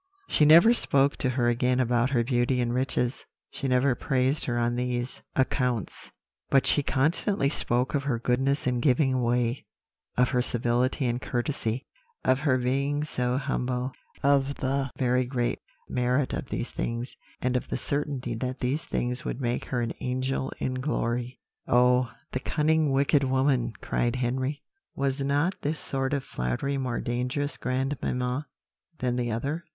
"She never spoke to her again about her beauty and riches; she never praised her on these accounts; but she constantly spoke of her goodness in giving away, of her civility and courtesy, of her being so humble, of the very great merit of these things, and of the certainty that these things would make her an angel in glory." "Oh, the cunning, wicked woman!" cried Henry. "Was not this sort of flattery more dangerous, grandmamma, than the other?"